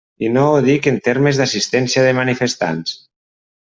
I no ho dic en termes d'assistència de manifestants.